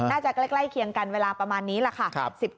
ใกล้ใกล้เคียงกันเวลาประมาณนี้แหละค่ะ